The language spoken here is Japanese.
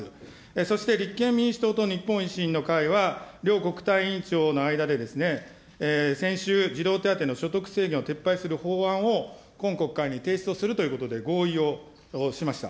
そして立憲民主党と日本維新の会は、両国対委員長の間でですね、先週、児童手当の所得制限を撤廃する法案を、今国会に提出をするということで、合意をしました。